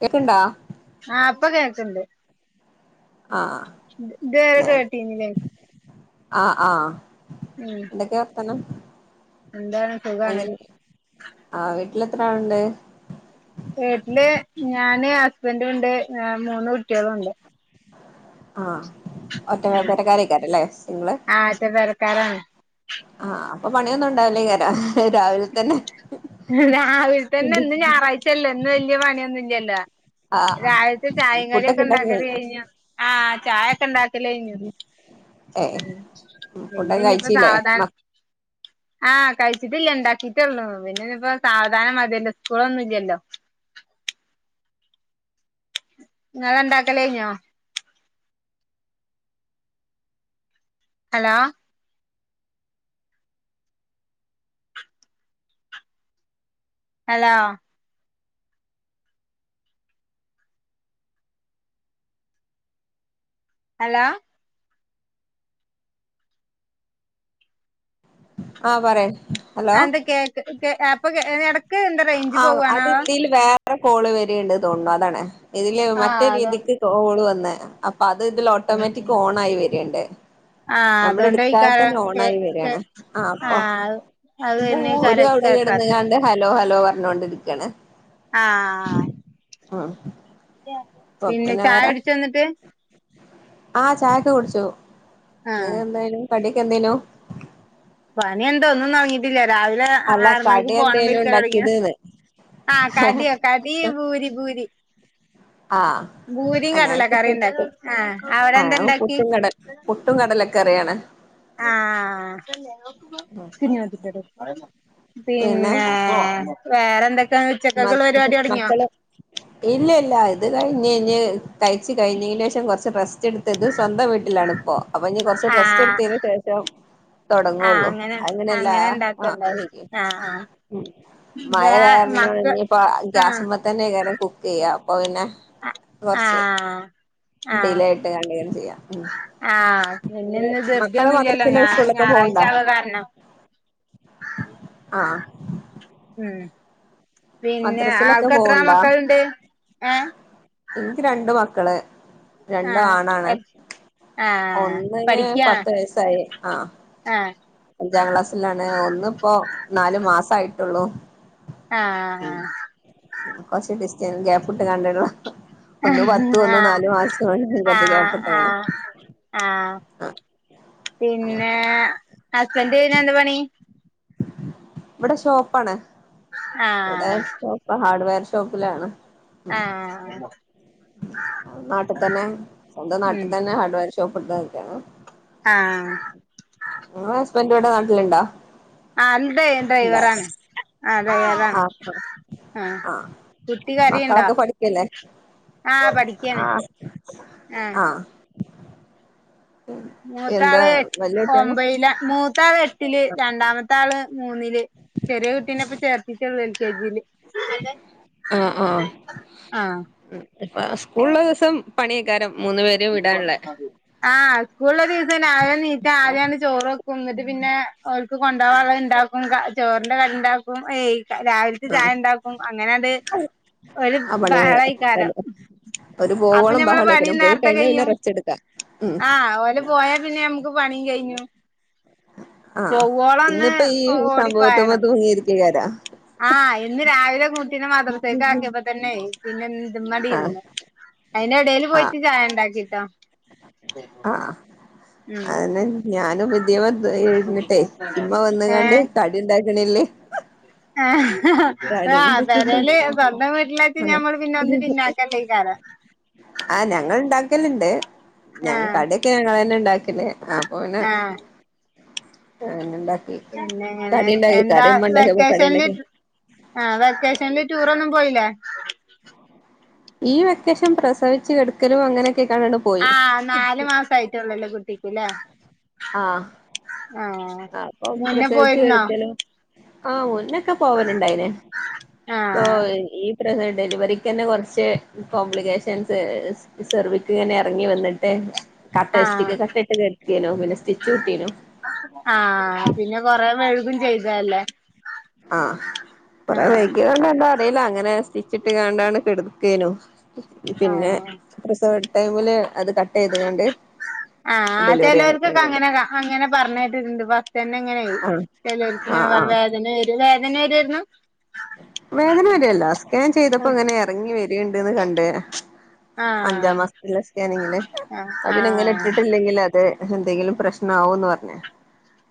കേക്ക്ണ്ടാ ആ ഇപ്പ കേൾക്ണ്ട് ആ ആ ഇതുവരെ ഏ കേട്ടീന്നില്ലേ ആ ആ ആ ഉം ന്തെക്കെ വർത്താനം എന്താണ് സുഖാണ് ലെത്ര ആൾണ്ട് വീട്ടില് ഞാനും ഹസ്ബന്റുണ്ട് ഏ മൂന്ന് കുട്ട്യോളുണ്ട് ആ ഒറ്റ ഉം പെരക്കാരക്കാരേകാലംലെ സിങ്ള് ആദ്യത്തെ പെരക്കാരാണ് ആ പ്പൊ പണി ഒന്നും ഉണ്ടാവില്ലേയ്കരാം രാവിൽ തന്നെ ഇന്ന് ഞായറായ്ച അല്ലെ ഇന്ന് വല്യയ പണി ഒന്നുല്ലല്ലോ ആ രാവത്തെ ചായിം കടീംക്കെ ഇണ്ടാക്കല് കഴിഞ്ഞോ? ആചായ ഒക്കെ ഇണ്ടാക്കല് കൈയ്ഞ്ഞു. ഏഹ് ഉ പിന്നെ ഫുഡൊക്കെ ഇനിപ്പോ കഴിച്ചില്ലേ സാവധാന മ ആ കഴിച്ചിട്ടില്ലണ്ട ഇണ്ടാക്കല് ട്ടള്ളൂ പിന്നെ ഇ ഇപ്പോ സാവധാനം മതിയല്ലോ സ്കൂളൊന്നുംല്ലല്ലോ. നിങ്ങളെ ണ്ടാക്കല കയ്ഞ്ഞോ? ഹലോ. അലോ. ഹലോ. ആ പറെ. അന്ത് കേക്ക് അപ്പൊ എടക് ആ അത് ഇൽവേർ റെ കോള് വര്ണ്ട് തോന്നുണു അതാണ് ഇതില് മറ്റേ ആഹ് അതാണ് രീതിക്ക് കോള് വന്ന്. അപ്പ അത് ഇതില് ഓട്ടോ മെറ്റിക് ഓണാആയിവര്ണ്ട്. ആഹ് നമ്മള് അതോണ്ടേയ്ക്കാരം ഇട്ക്കാദെതന്നെ കേ ഓണായി കേ വരാണ് ആ അപ്പ ആഹ് അത് ഒരു തന്നെയ്ക്കാരം അവള് കിടന്ന കേക്കാത്തെ കണ്ട് ഹലോ ഹലോ പറഞ്ഞൊണ്ടിരികാണ്. ആ ആ ആ പിന്നെ ചായ കുടിച്ചോന്നിട്ട്? ആ ചായക്കെ കുടിച്ചു. ആഹ് എന്തായനു കടിയൊക്കെ എന്തേനു? പണി എന്താ ഒന്നും തുടങ്ങിട്ടില്ല. രാവിലെ അല്ല ആർ കടി മണിക്ക് ഫോണിമ്മേ എന്തേനു ഇരിക്കൽ തുടങ്ങിയതാ ഉണ്ടാക്കിയത്ന്ന് ആ കടിയോ കടി ഭൂരി ഭൂരി. ആ ഭൂരിം ആ ഞങ്ങക്ക് കടലക്കറിം പുട്ട് ഇണ്ടാക്കി ആഹ് അവിടെ ആ എന്താ ഇണ്ടാക്കി പുട്ടും കടല പുട്ടും കടലൊക്കെ കറിയാണ്. ആ ആ പിന്നെ വേറെന്തൊക്കെയാ ഉച്ചക്കക്കുള്ള പരിപാടി തൊടങ്ങിയോ മക്കള്, ഇല്ല ഇല്ല ഇത് അ ഇനി ഇഞ് കഴിച് കഴിഞ്ഞതിതിന് ശേഷം കുറച്ച് റെസ്റ്റ് എടുത്തത് സ്വന്തം വീട്ടിലാണിപ്പോ. അപ്പൊ ഇനി കുറച്ച് റെസ്റ്റ് ആഹ് എടുത്തന് ശേഷം, ആഹ് തുടങ്ങുള്ളൂ. അങ്ങനെ അങ്ങനെയല്ലാ അങ്ങനെ ആ ഇണ്ടാക്കണ്ടോ ആഹ് ആഹ് മഴ ഇതാ കാരണം മക്ക ഇനിപ്പോ ആഹ് ഗ്യാസിമ്മേ തന്നെയാകും കുക്ക് ചെയ്യാ, അപ്പൊ പിന്നെ കൊറച്ച് ആഹ് ആഹ് ഡിലേയായിട്ട് കാണ്ടാകും ചെയ്യാ ആഹ് പിന്നെ ഇന്ന് അത് മക്കള് ധൃതിയൊന്നും ഇല്ലല്ലോ ഞാ മദ്രസയിലും സ്കൂളിലൊക്കെ ഞായറാഴ്ച പോവ്ണ്ടോ? ആവ കാരണം ആ ഉ പിന്നെ ആൾക്ക് എത്ര ആണ് പോവ്ണ്ടോ മക്കളുണ്ട്? ആ എനിക്ക് രണ്ടു മക്കള് രണ്ടും ആഹ് ആണാണ്. എത് ആഹ് ഒന്നിന് പഠിക്കാ പത്ത് വയസായി. ആ ആഹ് അഞ്ചാം ക്ലാസ്സിലാണ് ഒന്ന് ഇപ്പോ നാലു മാസായിട്ടുള്ളു. ആ ആ ആ ഞാൻ ഗ്യാപ്പിട്ട് കാണ്ടുള്ള ഒന്നു പത്തും ഒന്ന് ആഹ് നാല് മാസം ആണ്. കുറച്ചു ഗ്യാപ്പ് ഇട്ട്ക്ണ്. ആ പിന്നെ, ഹസ്ബന്റിന് എന്ത് പണി? ഇവിടെ ഷോപ്പാണ്. ഇവിടെ ആഹ് ഷോപ്പ് ഹാർഡ്‌വെയർ ഷോപ്പിലാണ്. ആ ആ നാട്ടിൽ തന്നെ, സ്വന്തം നാട്ടിൽ തന്നെ ഹാർഡ്വെയർ ഷോപ്പ് ഇട്ടിക്കാണ്. ആ ഇങ്ങളെ ഹസ്ബന്റവിടെ? നാട്ടിലുണ്ടാ? ആ അതേ ഡ്രൈവർ ആണ്. അതെ അതാണ്. ആഹ് ആഹ ആഹ് കുട്ടി കരയുന്നുണ്ടോ ആ ആഹ് ആ ഉം മൂത്താള് ഒമ്പയിൽ, മൂത്താള് എട്ടില്, രണ്ടാമത്തെ ആള് മൂന്നില്. ചെറിയ കുട്ടീനെപ്പ ചേർത്തിട്ടള്ളൂ എൽ കെ ജിയില്. ആഹ ആഹ ആഹ് ഇപ്പോ സ്കൂളുള്ള ദിവസം പണിയാക്കാരം. ആഹ സ്കൂളള്ള ദിവസം രാവിലെ നീറ്റാ ആദ്യാഅങ്ങട് ചോർ വെക്കും. ന്നിട്ട്പിന്നെ, ഓർക്ക് കൊണ്ടുപോകാനുള്ളത് ഉണ്ടാക്കും, ചോറിന്റെ കറി ഉണ്ടാക്കും. ഏയ്‌ രാവിലത്തെ ആഹ് ചായ ഉണ്ടാക്കും, അങ്ങനെയണ്ട് ഒരു ആ പണികള് ബഹളമായികാരം. തന്നെ ഒരു അപ്പൊ പോവോളം നമ്മളെ പണി ബഹളേക്കാരം പോയി നേരത്തെ കഴിഞ്ഞാ പിന്നെ കെയ്യും, റെസ്റ്റ് എടുക്കാ ഉം ആ ഓൽ പോയാ പിന്നെ നമുക്ക് പണീം കഴിഞ്ഞു. ആഹ് പോവോളൊന്ന് ഇന്നിപ്പോ ഈ സംഭവത്തമ്മേ തൂങ്ങിയിരിക്കേകാരം. ആഹ ഇന്ന് രാവിലെ കൂട്ടീനെ മദ്രസ്ക്ക് ആക്കിയപ്പോ തന്നെ പിന്നെ ഇതിമ്മേ അങ്ങട് ആഹ് ഇരുന്നു. അയിന് എടേൽ പോയിട്ട് ചായ ഉണ്ടാക്കിട്ടോ. ആഹ,. അതന്നെ. ഞാനും ഇതിമെ ഇരുന്നിട്ടെ ഇമ്മ വന്ന്‌ കാണ്ട് ഏഹ് കടി ഇണ്ടാക്ക്ണില്ലേ കടി ആഹ് എന്തൊക്കെ പെരേല് ഉണ്ടാക്കുന്നെ സ്വന്തം വീട്ടിലാച്ച് ആഹ് ഞമ്മള് പിന്നെ ഒന്ന് പിന്നാക്കല്ലേക്കാരം [unintelligible] ആഹ് ഞങ്ങൾണ്ടാ ക്കല്ണ്ട് ഞങ്ങ ആഹ് കടിക്കെ ഞങ്ങളെ ന്നെ ഉണ്ടാക്കല് ആ അപ്പൊ പിന്നെ [unintelligible] പിന്നെങ്ങനെ കടിണ്ടാക്കി എന്താ കറിമ്മ ഉണ്ടാക്കിയപ്പോ വെക്കേഷനില് കടിണ്ടാക്കി ട്രിപ്പ്‌ ആ വെക്കേഷനിൽ ടൂറൊന്നും പോയില്ലേ ഈ വെക്കേഷൻ പ്രസവിച്ചു കെടക്കലും അങ്ങനെക്കെ ആ നാലു മാസ ആയിട്ട്ടൊള്ളൂല്ലേ കുട്ടിക്ക്‌ ല്ലേ ആഹ് അപ്പൊ മുന്നേ പ്രസവിച്ചു പോയിരുന്നോ കെടക്കലും ആ മുന്നൊക്കെ പോവലുണ്ടായിന് ഇപ്പൊ ആഹ് ഈ പ്രസവ ഡെലിവറിക്ക് തന്നെ കുറച്ച് കോംപ്ലിക്കേഷൻസ് സെർവ്ക്ക്ങ്ങനെ ഇറങ്ങി വന്നിട്ട് കട്ട ആഹ് ഇഷ്ട്ടിക കട്ട ഇട്ട് കെടെക്ക്യനു പിന്ന സ്റ്റിച്ച് ഇട്ടീനൂ ആഹ പിന്നെ കൊരേവൈഴുകും ചെയ്തല്ലേ ആഹ് കൊറേ ആഹ് വൈകി തൊണ്ടെ എന്താ അറീല അങ്ങനെ സ്റ്റിച്ചിട്ട് ക്കാണ്ടാണ് കെടെക്കേനു പിന്നെ പ്രസവടു ടൈമില് അത് കട്ട് ചെയ്ത്കാണ്ട് ആ ഡെലിവറി ചിലോർക്കൊക്കെ നടന്നത് അങ്ങനെ അങ്ങനെ പറഞ്ഞു കെട്ടു ണ്ട് ഫസ്റ്റ് ന്നെ ഇങ്ങനെ പറിം ആഹ് ചിലോ ർക്ക്ങ്ങനെ ആഹ് പറിം ആഹ് വേദന വരും വേദന വരേർന്നു വേദന വരുല്ല സ്കാൻ ചെയ്തപ്പോ ഇങ്ങനെ ഇറങ്ങി വരുണ്ട്ന്ന് കണ്ട് അഞ്ചാം ആഹ് മാസത്തിലെ സ്കാനിങ്ങില് ആഹ് അത് പിന്നെ ഇങ്ങനെ ആഹ് ഇട്ടിട്ടില്ലെങ്കിൽ അത് എന്തെങ്കിലും പ്രശ്ണം ആവോന്ന് പറഞ്ഞേ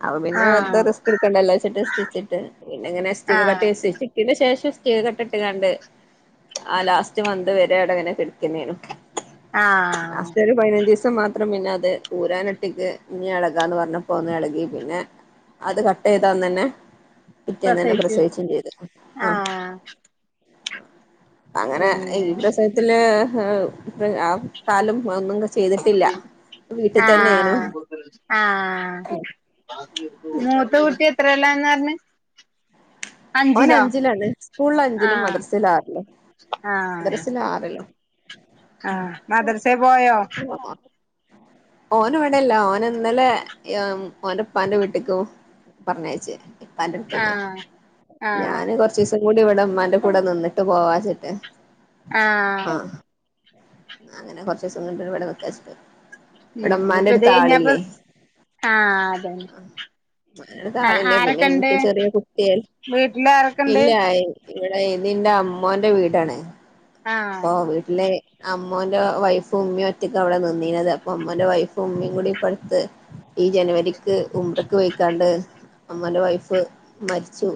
അപ്പ പിന്നെ ആഹ് വെറുതെ റിസ്ക്ക്‌ ഇടുക്കണ്ടല്ലോ വെച്ചിട്ട് സ്റ്റിച്ചിട്ട് പിന്നെ ഇങ്ങെ ഇഷ്ടിക കട്ടേ ആഹ് ആയ്നൻസരിച്ചു ശേഷം ഇസ്റ്റീക കട്ട ഇട്ടാണ്ട് ട്ട് ആ ലാസ്റ്റ് മന്ത് വരെ അവിടെ ഇങ്ങനെ കിടക്കെർന്നു ആഹ് ലാസ്റ്റ് ഒരു പതിനഞ്ചു ദി സം മാത്രം പിന്നെ അത് ഊരാനട്ടിക്ക് ഇനി ഇളകാന്ന് പറഞ്ഞപ്പോ ഒന്ന് ഇളകി പിന്നെ അത് കട്ട് ചെയ്താന്ന് തന്നെ പിറ്റേന്ന് തന്നെ പ്രസവിച്ചു പ്രസവിച്ചും ചെയ്തു ആഹ് അങ്ങനെ ഈ പിന്നെ പ്രസവത്തില് ആ ആത്താലും ഒന്നും ചെയ്തിട്ടില്ല വീട്ടിൽ ആ തന്നെയേനു ആ മൂത്ത കുട്ടി എത്രേ ലാന്ന് പറഞ്ഞേ ഓന് അഞ്ചിലാണ് സ്കൂളിൽ അഞ്ചിലും ആഹ് മദ്രസൽ ആറിലും ആഹ് മദ്രസൽ ആറിലും ആഹ് മദർസേ പോയോ ഓന് ഇവിടെല്ല ഓന്. ഇന്നലെ ഓന്റെ ഉപ്പാന്റെ വീട്ടിക്കും പറഞ്ഞയച്ചേ ഇപ്പാന്റെടുത്തേക്ക് ആഹ് ആഹ് ഞാന് കൊറച്ചീസം കുറച്ചൂടി ഇവിടെ ഇമ്മാന്റെ കൂടെ നിന്നിട്ട് പോവാച്ചിട്ട് ആ അങ്ങനെറച്ചീസം [unintelligible] ഇവിടെ നിക്കാചാരിച്ചിട്ട് ഉം ഇപ്പൊ ഇത് കഴിഞ്ഞപ്പം ആഹ് അതെന്നെ മ്മാന്റെ അടുത്ത് ആളില്ലേ പിന്നെ എനിക്ക് ചെറിയ കുട്ടിയല്ലേ വീട്ടില് ആരൊക്കെണ്ട് ഇല്ല ഇവിടെ ഇത് ഇന്റെ അമ്മോന്റെ വീടാണ് ആഹ് അപ്പൊ വീട്ടില് അമ്മോന്റെ വൈഫും ഉമ്മ ഒറ്റക്ക അവിടെ നിന്നീനത് അപ്പൊ അമ്മോന്റെ വൈഫും ഇമ്മീം കൂടി ഇപ്പടുത്ത് ഈ ജനുവരിക്ക് ഉംറക്ക് പോയിക്കാണ്ട് അമ്മോന്റെ വൈഫ് മരിച്ചു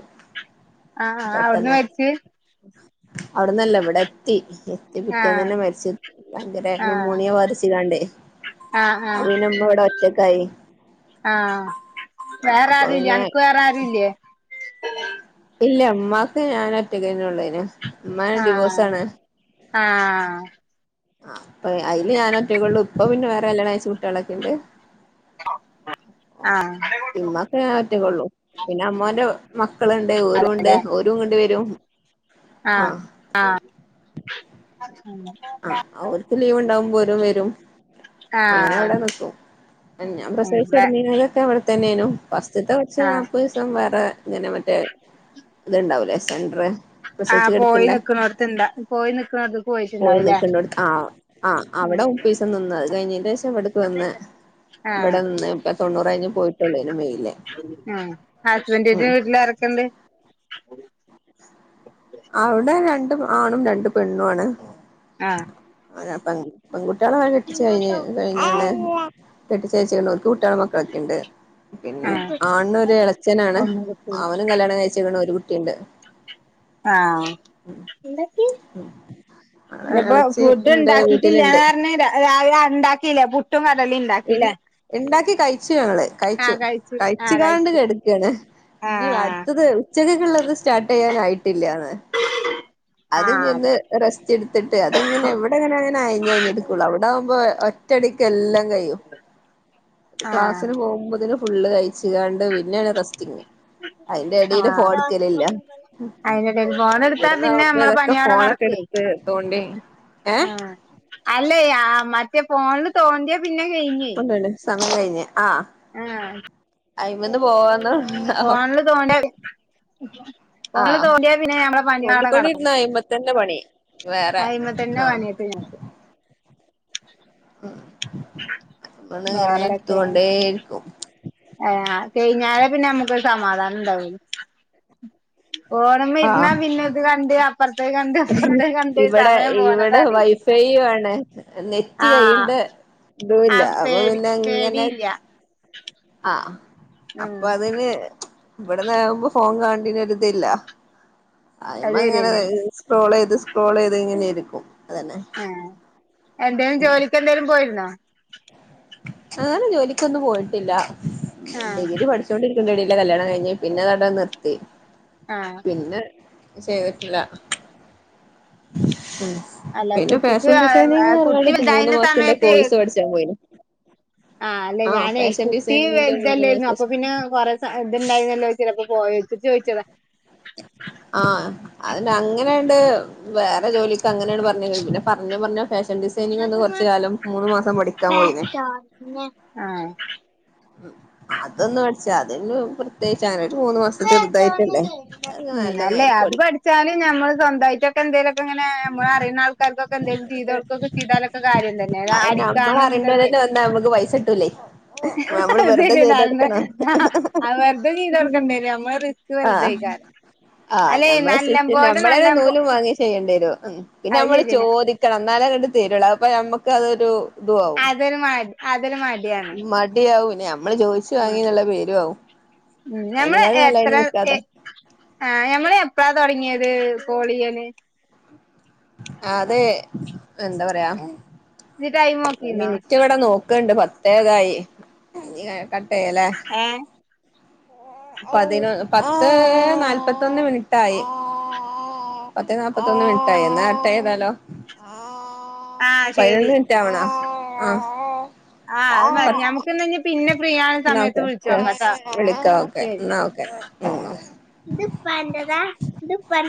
ആ അവിടുന്ന് പെട്ടെന്ന് മരിച്ചേ അവിടന്നല്ല ഇവിടെ എത്തി എത്തിപിറ്റേ ആഹ് ന്നെന്നെ മരിച്ച് ഭയങ്കര ആഹ് ന്യൂമോണിയ ബാധിച്ച് കണ്ടേ ആഹ് ആഹ് അപ്പൊ ഇമ്മ ഇവിടെ ഒറ്റക്കായി ആഹ് ആ വേറെ അപ്പൊ ആരൂല്ല പിന്നെ അനക്ക് വേറെ ആരുല്ലേ ഇല്ല ഇ മ്മാക്ക് ഞാൻ ഒറ്റക്കെന്നെ ഒള്ളെനി ഉമ്മനെ ഡിവോഴ്സാ ണ് ആഹ ആപ്പ അതില് ഞാൻ ഒറ്റേക്കള്ളൂ ഇപ്പൊ പിന്നെ വേറെ കല്യാണം കുട്ടികളൊക്കെ ഉണ്ട് ആഹ് ഇമ്മക്കെൻ പറ്റേക്കൊള്ളൂ പിന്നെ അമ്മന്റെ മ മക്കളുണ്ട് ഓരുംണ്ട് ഓരും കണ്ട വരും ആഹ ആഹ് ആഹ ആ് അവർക്ക് ലീവ് ഉണ്ടാവുമ്പോ രും വരും അങ്ങനെ അവിടെ ആഹ് നിക്കും ഞാൻ ഉം വേ പ്രസവിച്ചിടുന്നീനതൊക്കെ അവിടെത്തന്നെനു വസ്ത്തെ കുറച്ച് ആഹ് നാല്പ്പ ദിവസം വേറെ ഇങ്ങനെ മറ്റേ ഇത്ണ്ടാവൂലേ സെന്റർ ആഹ പ്രസവിച്ച് പോയി കിടക്കണ്ട നിക്കക്കുന്നോടത്ത്ന്താ പോയി നക്കുന്നോടത്തക്ക് പോയിച്ച പോയി നിക്കണ്ട ആ ആ് അവിടെ ഒരീസം നിന്ന് അത് കഴിഞ്ഞ് ശേഷം എവിടക്ക് വന്ന് ആഹ ഇവിടെ നിന്ന് ഇപ്പ തൊണ്ണൂറ് കഴിഞ്ഞ് പോയിട്ടുള്ളൂ മെയില് ആ ഹസ്ബൻദിന്റെ ഉം വീട്ടില ഇറക്ക കെ [inaudible] [inaudible] അവിടെ രണ്ട ആണും രണ്ട് പെണ്ണും ആണ് ആഹ പെൺുട്ടികള വേഗം കെട്ടിച്ചു കഴിഞ്ഞ് കഴിഞ്ഞ്ണ് കെട്ടിച്ച യച്ചിക്ക്ണ് കൂട്ടള മക്കൊക്ക ഉണ്ട് പിന്നെ ആഹ് ആണ്ണ ഒരു ഇളച്ചനാണ് അതൊന്നും കിട്ടൂല അവനും കല്യാണം കഴച്ച ഒരു കുട്ട തിണ്ട് ആഹ [inaudible] ഇന്ന് പ്പൊ എളച്ചി ഫുഡ് ഇന്റെ വീട്ടിലുണ്ട് ഉണ്ടാക്കിട്ടില്ലന്ന് പറഞ്ഞ രാവിലെ ആ ഉണ്ടാക്കില്ല ഉണ്ടാക്കി കഴിച്ചു ഞങ്ങള് കഴിച്ചു ആഹ് ആഹ് കഴിച്ചുകാണ്ട് കഴിച്ചു കടുക്കാണ് ഇനി ആഹ് അടുത്തത് ഉച്ചകക്കുള്ളത് സ്റ്റാർട്ട് ചെയ്യാനായിട്ടില്ലന്ന് അത് ആഹ് ഞ്ഞ്ന്ന് അതെ റസ്റ്റ് എടുത്തിട്ട് അതെങ്ങനെ എവിടെങ്ങനെ അങ്ങനെ അയിഞ്ഞഞ്ഞ എടുക്കുള്ളു അവിടെ ആവുമ്പോ ഒറ്റടിക്ക് എല്ലാം കഴിയും ആഹ് ക്ലാസ്സിന് പോകുമ്പോത്തിന് ഫുള്ള് കഴിച്ച് സിതാണ്ട് പിന്നെയാണ് റെസ്റ്റിങ്ങ് ആ അയിന്റെ ലി ഫോൺ എടുത്താ പിന്നെ ഇവിടന്നാവുമ്പോ നമ്മള ഇതൊക്കെ പിയടെ ഫോണൊക്കെ കിടക്ക എടുത്ത് തോണ്ടി ഏഹ് അല്ല മറ്റേ ഫോണില് തോണ്ടിയ പിന്നെ കഴിഞ്ഞേ കഴിഞ്ഞഞ് ആ ആഹ അയി്മന്ന് പോവാന്ന് തോ പോണല് തോണ്ട ഫോണില് ആഹ് തോടിയാ പിന്നെ ഞമ്മെ പണിയാടെ കിടക്കും തോണ്ടിക്കൊണ്ടിരുന്ന അയിമത്തന്നെ പണി വേറെ ആയ്പത്ത തന്നെ ആഹ് പണിയട്ട് ഞക്ക് [inaudible] അന്ന് ഇങ്ങനെ വേറെന്തൊക്കെ എടുത്തൊണ്ടേയിരിക്കും ആ കൈനാലെ പിന്നെ നമ്മുക്ക്ൊരു സമാധാനം ഇണ്ടാവും ഫോണിമെഇരുന്ന ആഹ് പിന്നെ ഇത് കണ്ട് അപ്പുറത്തേ ക [unintelligible] ഇവിടെ ഇവിടെ അറിയില്ല വൈഫൈ ആണ് നെറ്റ് ആഹ് കയ്ണ്ട് ആ ഇതുല്ല അപ്പൊ പേടി പിന്നെ എങ്ങനെ പേടിയില്ല ആ ഉം അപ്പൊ അതിന് ഇവിടന്ന്കുമ്പോ ഫോൺ കണ്ടന്രിതല്ല ആ അത് അങ്ങനെ ശരിയന്നെ സ്ട്രോൾ ചെയ്ത് സ്ട്രോൾ ചെയ്ത് ഇങ്ങനെരിക്കും ആ എന്തേിലും ജോലിക്ക് എന്തേലും പോയിരുന്നോ അങ്ങനെ ജോലിക്കൊന്നും പോയിട്ടില്ല ആഹ് ഡിഗ്രി പഠിച്ചോണ്ടി ണ്ടടിയില കല്യാണം കഴിഞ്ഞ് പിന്നെ നട നിർത്തി ആഹ് പിന്നെ ചെയ്തിട്ടില്ല ഉ അല്ല പിന്നെ കുട്ടിക്ക് ഫാഷൻ ഡിസൈനിങ് കുട്ടി അല്ലാണ്ട് മൂന്ന് വലുതായിരുന്ന മാസത്തിന്റെ കോഴസ് പടിച്ചാൻ പോയിന് ആഹ അല്ലെ ആഹ് ഞാനേഈ ഫാഷൻ കുട്ടി ഡിസൈനിങ്ങിന്റെ മൂന്ന് വലുതല്ലായിരുന്നു മാസത്തെ അപ്പൊ പിന്നെ കൊറെ ഇതുണ്ടായിരുന്നല്ലോ ചിലപ്പോ പോയ [unintelligible] ചോദിച്ചതാ ആ അതിനങ്ങനെണ്ട് വേറെ ജോലിയക്കെ അങ്ങനെണ് [unintelligible] പിന്നെ പറഞ്ഞ് പറഞ്ഞ ഫാഷൻ ഡിസൈനിങ് ഒന്ന് കൊറച്ച കാലം മൂന്ന് മാസം പഠിക്കാൻ പോയിനിം ആഹ് അതൊന്ന് പഠിച്ച [unintelligible] പ്രത്യേകിച്ച് അനായിട്ട് മൂന്ന് മാസം ചെറുതായിട്ടല്ലേ അതൊക്കെ ഉം നല്ല അല്ലേ നേരത്ത് അത് പഠിക്കണം ഇപ്പങ്ങന നമ്മളറിയുന്ന ആക്കാർക്കൊക്കെ എന്തേലും [unintelligible] ചെയ്താലൊക്കെ കാര്യം തന്നെ അ അടിക്കാനും തൊക്കെ നമുക്ക് പൈസ ഇട്ടൂല്ലേയ് അ ശെരിന്നാ [unintelligible] വെറുത [unintelligible] നമ്മളെ റിസ്ക് ആഹ് വെറുതയ്ക്കാ ആഹ് നമ്മളെ സിറ്റിച്ചും പോലെ നമ്മളേ നല്ലം പോ നൂലും വാങ്ങി ചെയ്യേണ്ടി വരും പിന്നെ അത് നമ്മള് ശരിയെന്നെ ചോദിക്കണം എന്നാലേ അങ്ങട്ട് തരുള്ളൂ അപ്പൊ നമ്മുക്ക് അതൊരു താവും അതൊരു മടി മടി ആവും ഉ ഞമ്മള് അതിനേക്കാളും നല്ലത് എത്ര അതിന് എ നിക്കാതെ ആഹ് ഞമ്മള് എപ്പളാ തൊടങ്ങിയത് കാൾ യ്യാന് അതെ എന്താ പറയാ ഇജ്ജ് ടൈം നോക്കീന്നോ മിനിറ്റ് ഇവിടെ നോക്കണ്ട് പത്തേതായി ഇനി കട്ട് യ്യാലേ ഏഹ് പതിന പത്ത് നാല്പത്തൊന്ന് മിനിട്ടായി പത്തെ നാല്പ്പത്തൊന്ന് മിനിട്ടായി എന്നാ കട്ട് ചെയ്താലോ ആഹ് ശരി പതിനൊന്ന് മിനിറ്റ് ആവണോ ആഹ് ആ അത് മതി ഞമുക്ക് ഇന്നാ ഇഞ്ഞ് പിന്നെ ഫ്രീ ആവ്ണ എന്ന സമയത്ത് ഓക്കെ വിളിച്ചോക്കാട്ടോ വിളിക്ക ഓക്കെ ശരി എന്ന ഓ ആ ഇത് ഇപ്പാന്റെതാ ഇത് ഇപ്പാ